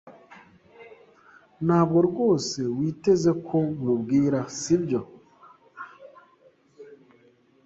Ntabwo rwose witeze ko nkubwira, sibyo?